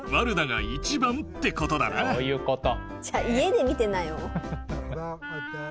そういうこと。